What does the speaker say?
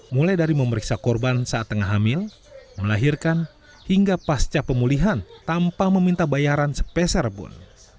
mulai dari memeriksa korban saat tengah hamil melahirkan hingga pasca pemulihan tanpa meminta bayaran sepeserpun